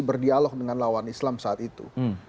berdialog dengan lawan islam saat itu